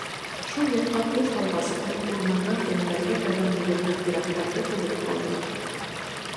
Шул яҡҡа күҙ һалғас, мин урмандан кәмәләргә табан йүгергән пираттарҙы күреп ҡалдым.